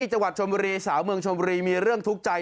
จังหวัดชมบุรีสาวเมืองชมบุรีมีเรื่องทุกข์ใจ